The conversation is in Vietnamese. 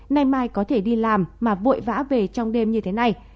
nay mai có thể đi làm mà vội vã về trong đêm như thế này